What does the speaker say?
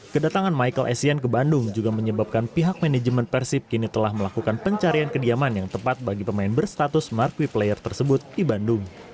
kedatangan michael essien ke bandung juga menyebabkan pihak manajemen persib kini telah melakukan pencarian kediaman yang tepat bagi pemain berstatus marquee player tersebut di bandung